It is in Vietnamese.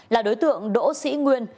là đối tượng đỗ sĩ nguyên